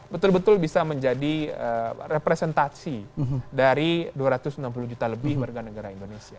betul betul bisa menjadi representasi dari dua ratus enam puluh juta lebih warga negara indonesia